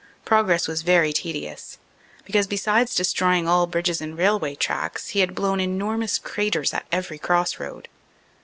Progress was very tedious, because besides destroying all bridges and railway tracks, he had blown enormous craters at every cross road.